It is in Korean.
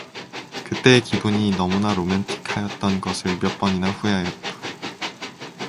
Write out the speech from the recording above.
그때의 기분이 너무나 로맨틱하였던 것을 몇 번이나 후회하였다.